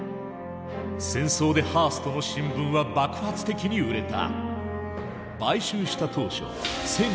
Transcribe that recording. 戦争でハーストの新聞は爆発的に売れた。